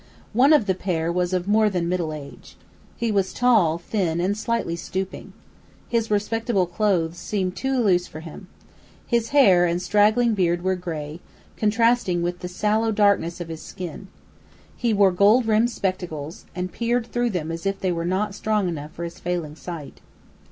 One of the pair was of more than middle age. He was tall, thin, and slightly stooping. His respectable clothes seemed too loose for him. His hair and straggling beard were gray, contrasting with the sallow darkness of his skin. He wore gold rimmed spectacles, and peered through them as if they were not strong enough for his failing sight.